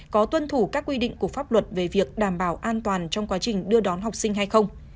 có tuân thủ các quy định của pháp luật về việc đảm bảo an toàn trong quá trình đưa đón học sinh hay không